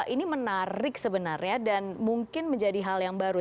ini menarik sebenarnya dan mungkin menjadi hal yang baru